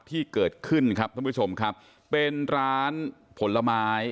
ที่เกิดขึ้นครับท่านผู้ชมครับเป็นร้านผลไม้